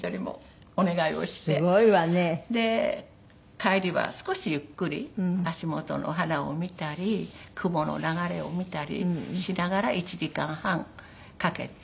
帰りは少しゆっくり足元のお花を見たり雲の流れを見たりしながら１時間半かけて。